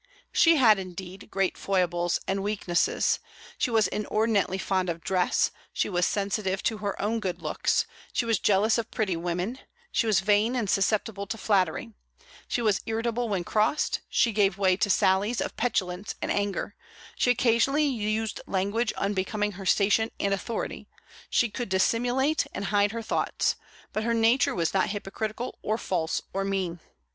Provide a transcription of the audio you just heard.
She had, indeed, great foibles and weaknesses. She was inordinately fond of dress; she was sensitive to her own good looks; she was jealous of pretty women; she was vain, and susceptible to flattery; she was irritable when crossed; she gave way to sallies of petulance and anger; she occasionally used language unbecoming her station and authority; she could dissimulate and hide her thoughts: but her nature was not hypocritical, or false, or mean.